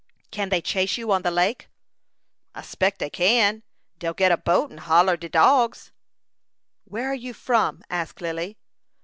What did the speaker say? "Can they chase you on the lake?" "I speck dey can. Dey'll get a boat and follor de dogs." "Where are you from?" asked Lily.